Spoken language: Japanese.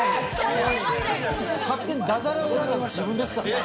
勝手にだじゃれを選んだの自分ですからね。